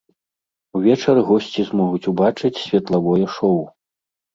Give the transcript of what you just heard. Увечары госці змогуць убачыць светлавое шоў.